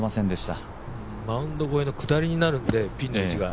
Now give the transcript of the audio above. マウンド越えの下りになるんで、ピンの位置が。